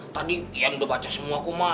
tadi yang udah baca semuaku emak